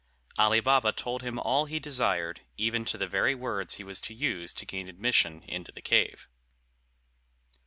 Ali Baba told him all he desired, even to the very words he was to use to gain admission into the cave.